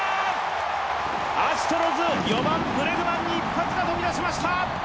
アストロズ、４番・ブレグマンに一発が飛び出しました！